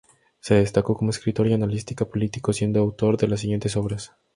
Se destacó como escritor y analista político, siendo autor de las siguientes obras.